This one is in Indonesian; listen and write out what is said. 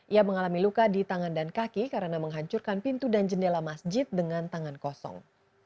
ia mengalami luka di tangan dan kaki karena menghancurkan pintu dan jendela masjid dengan tangan kosong